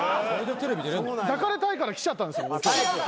抱かれたいから来ちゃったんですよ。